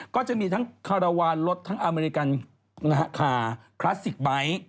ก็จะมีทั้งคาราวานรถทั้งอเมริกันคาคลาสสิกไบท์